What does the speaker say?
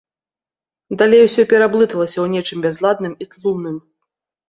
Далей усё пераблыталася ў нечым бязладным і тлумным.